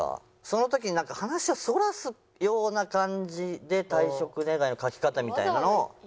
その時になんか話をそらすような感じで退職願の書き方みたいなのを。